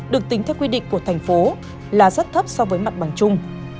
được tính theo quy định của thành phố là rất thấp so với mặt bằng chung